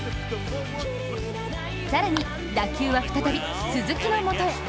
更に打球は再び鈴木のもとへ。